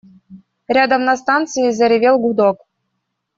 Рядом на станции заревел гудок.